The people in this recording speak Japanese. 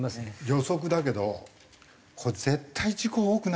予測だけどこれ絶対事故多くなるんじゃない？